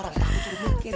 orang tahu jadi mikir